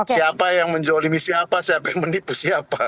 siapa yang menjolimi siapa siapa yang menipu siapa